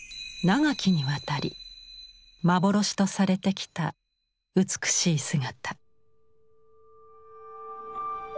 長きにわたり幻とされてきた美しい姿。